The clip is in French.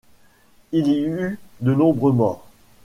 Il y eut de nombreux morts.